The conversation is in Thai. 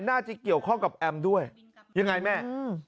น่าจะเกี่ยวข้องกับแอมด้วยยังไงแม่อืม